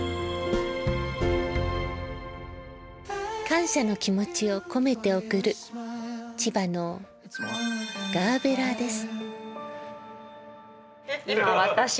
感謝の気持ちを込めて贈る千葉のガーベラです。